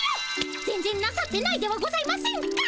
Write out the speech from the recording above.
全ぜんなさってないではございませんか。